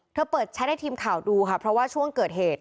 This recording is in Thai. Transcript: เธอเปิดแชทให้ทีมข่าวดูค่ะเพราะว่าช่วงเกิดเหตุ